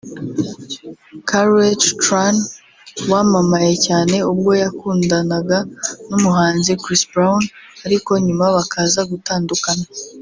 Karrueche Tran wamamaye cyane ubwo yakundanaga n’umuhanzi Chris Brown ariko nyuma bakazagutandukana